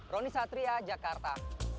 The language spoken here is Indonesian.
roni satria jakarta